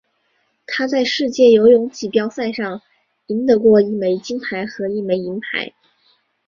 他在世界游泳锦标赛上赢得过一枚金牌和一枚银牌。